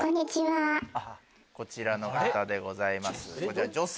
こちらの方でございます。